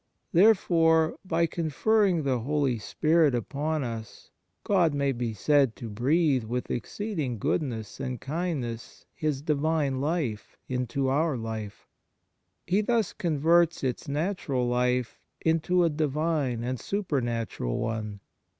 Therefore by conferring the Holy Spirit upon us God may be said to breathe with exceeding goodness and kindness His Divine life into our life; He 1 Job vii. 17. 52 ON THE SUBLIME UNION WITH GOD thus converts its natural life into a Divine and supernatural one.